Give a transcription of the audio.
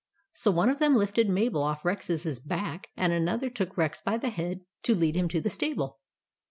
So one of them lifted Mabel off Rex's back, and another took Rex by the head to lead him to the stable.